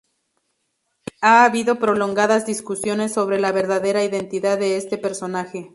Ha habido prolongadas discusiones sobre la verdadera identidad de este personaje.